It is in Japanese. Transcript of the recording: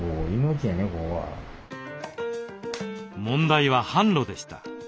問題は販路でした。